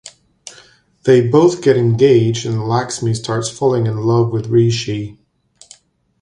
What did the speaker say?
They both get engaged and Laxmi starts falling in love with Rishi.